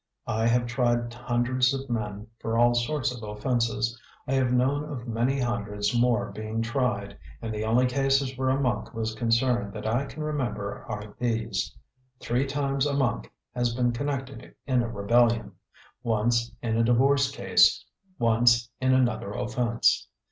I have tried hundreds of men for all sorts of offences; I have known of many hundreds more being tried, and the only cases where a monk was concerned that I can remember are these: three times a monk has been connected in a rebellion, once in a divorce case, once in another offence.